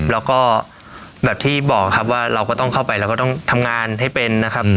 แล้วก็แบบที่บอกครับว่าเราก็ต้องเข้าไปเราก็ต้องทำงานให้เป็นนะครับ